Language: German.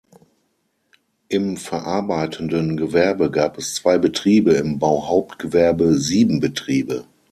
Im verarbeitenden Gewerbe gab es zwei Betriebe, im Bauhauptgewerbe sieben Betriebe.